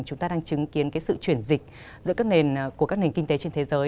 chúng ta đang chứng kiến cái sự chuyển dịch giữa các nền của các nền kinh tế trên thế giới